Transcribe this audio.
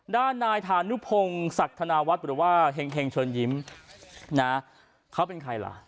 ด้านนายธานุพงศ์ศักดิ์ธนาวัฒน์หรือว่าเห็งเชิญยิ้มนะเขาเป็นใครล่ะ